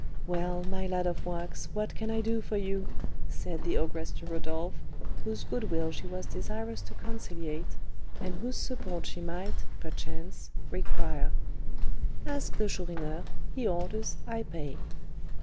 "Well, my lad of wax, what can I do for you?" said the ogress to Rodolph, whose good will she was desirous to conciliate, and whose support she might, perchance, require. "Ask the Chourineur; he orders, I pay."